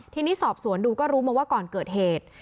ทีนี้สอบสวนดูก็รู้มาว่าก่อนเกิดเหตุ